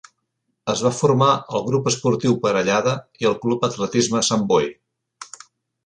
Es va formar al Grup Esportiu Parellada i al Club Atletisme Sant Boi.